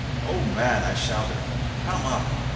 "Oh, man!" I shouted, "come up!